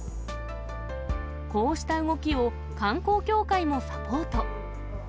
こうした動きを観光協会もサポート。